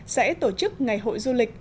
sẽ tổ chức ngày hội du lịch